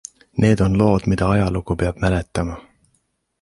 Need on lood, mida ajalugu peab mäletama.